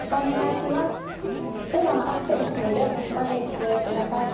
ではアクセル踏んで前に進んで下さい。